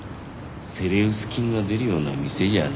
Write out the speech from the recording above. セレウス菌が出るような店じゃな。